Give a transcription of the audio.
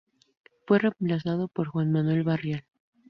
Fue reemplazado por Juan Manuel Barrial.